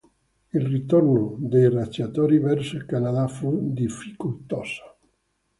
Il ritorno dei razziatori verso il Canada fu difficoltoso.